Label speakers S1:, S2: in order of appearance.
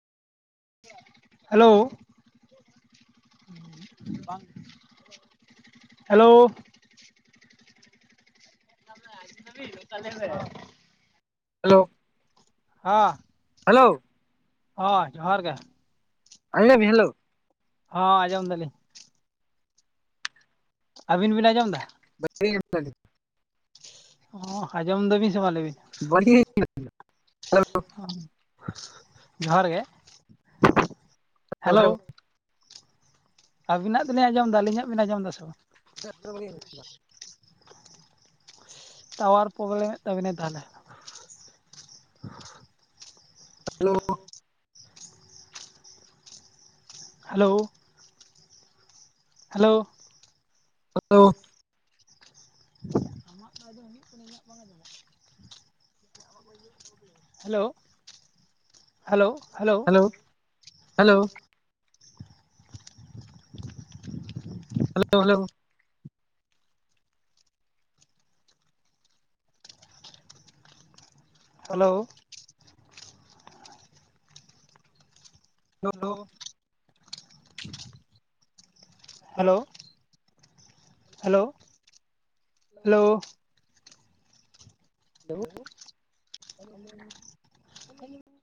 S1: Hello. Hello. [inaudible]
S2: Hello, hello.
S1: ᱦᱚᱸ ᱡᱚᱦᱟᱨ ᱜᱮ᱾
S2: [unintelligible] ᱦᱮᱞᱳ᱾
S1: ᱦᱚ ᱟᱸᱡᱚᱢ ᱫᱟᱞᱤᱧ᱾ ᱟᱹᱵᱤᱱ ᱵᱤᱱ ᱟᱸᱡᱚᱢ ᱫᱟ?
S2: [unintelligible]
S1: ᱚᱸᱦ ᱟᱸᱡᱚᱢ ᱫᱟᱹᱵᱤᱱ ᱥᱮ ᱵᱟᱝ ᱞᱟᱹᱭ ᱵᱤᱱ?
S2: ᱵᱟᱹᱞᱤᱧ [unintelligible]
S1: ᱚ ᱡᱚᱦᱟᱨ ᱜᱮ᱾ ᱦᱮᱞᱳ᱾ ᱟᱵᱤᱱᱟᱜ ᱫᱚᱞᱤᱧ ᱟᱸᱡᱚᱢ ᱫᱟ ᱟᱹᱞᱤᱧᱟᱜ ᱵᱤᱱ ᱟᱸᱡᱚᱢ ᱫᱟ ᱥᱮ ᱵᱟᱝ?
S2: [unintelligible] ᱵᱟᱞᱤᱧ ᱟᱸᱡᱚᱢ ᱫᱟ᱾
S1: ᱴᱟᱣᱟᱨ ᱯᱨᱚᱵᱞᱮᱢᱮᱫ ᱛᱟᱹᱵᱤ ᱱᱟᱭ ᱛᱟᱦᱚᱞᱮ᱾
S2: Hello.
S1: Hello. Hello.
S2: [unintelligible]
S1: [unintelligible] Hello, hello, hello,
S2: hello, hello, hello,
S1: hello, hello, hello, hello, hello, hello, hello,
S2: [inaudible]